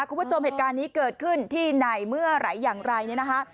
คุณผู้ชมเหตุการณ์นี้เกิดขึ้นที่ไหนเมื่อไหร่อย่างไรเนี่ยนะคะ